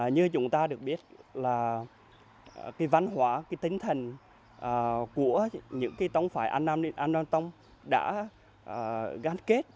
như chúng ta được biết là văn hóa tinh thần của những tông phái an nam tong đã gắn kết